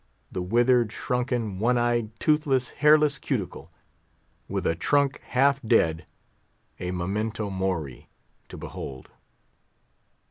The withered, shrunken, one eyed, toothless, hairless Cuticle; with a trunk half dead—a memento mori to behold!